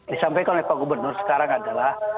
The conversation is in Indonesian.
disampaikan oleh pak gubernur sekarang adalah